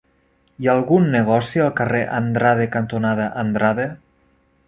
Hi ha algun negoci al carrer Andrade cantonada Andrade?